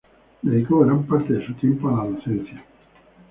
Dedicó gran parte de su tiempo a la docencia.